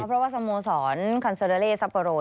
เพราะว่าสโมสรคอนเซอร์เลสัปโปโร